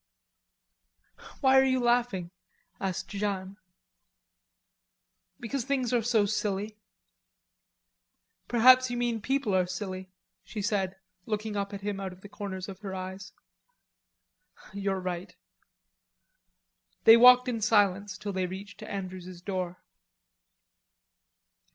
"Why are you laughing?" asked Jeanne. "Because things are so silly." "Perhaps you mean people are silly," she said, looking up at him out of the corners of her eyes. "You're right." They walked in silence till they reached Andrews's door.